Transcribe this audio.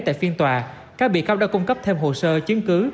tại phiên tòa các bị cáo đã cung cấp thêm hồ sơ chứng cứ